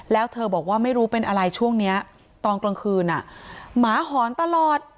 แล้วเธอบอกว่าไม่รู้เป็นอะไรช่วงนี้ตอนกลางคืนอ่ะหมาหอนตลอด